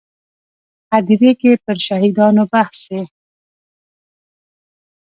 هدیرې کې پر شهیدانو بحث و.